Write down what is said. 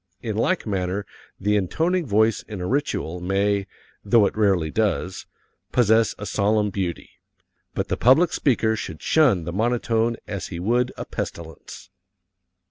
In like manner the intoning voice in a ritual may though it rarely does possess a solemn beauty. But the public speaker should shun the monotone as he would a pestilence.